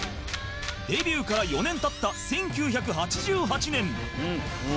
デビューから４年経った１９８８年